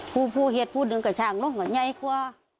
คู่เขียนพูดอยู่กระชากตุ๊กอย่าข้าว